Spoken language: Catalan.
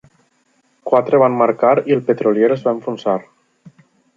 Quatre van marcar i el petrolier es va enfonsar.